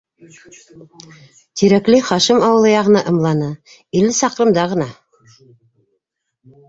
Тирәкле, - Хашим ауыл яғына ымланы, - илле саҡрымда ғына.